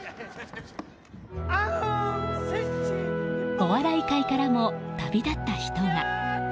お笑い界からも旅立った人が。